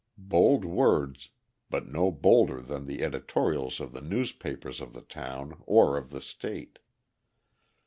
Bold words, but no bolder than the editorials of the newspapers of the town or of the state.